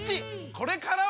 これからは！